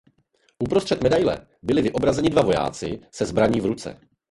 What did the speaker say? Uprostřed medaile byli vyobrazeni dva vojáci se zbraní v ruce.